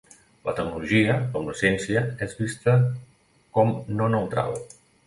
La tecnologia, com la ciència, és vista com no neutral.